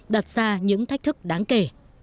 đặt ra những thách thức đáng kể